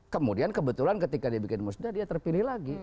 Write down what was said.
kemudian kebetulan ketika dia bikin musda dia terpilih lagi